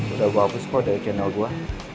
udah gue hapus kok dari channel gue